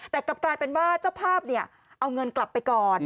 แต่กลับกลายเป็นว่าเจ้าภาพเอาเงินกลับไปก่อน